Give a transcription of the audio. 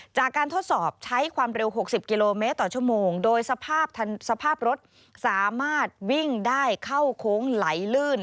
ทดสอบใช้ความเร็ว๖๐กิโลเมตรต่อชั่วโมงโดยสภาพสภาพรถสามารถวิ่งได้เข้าโค้งไหลลื่น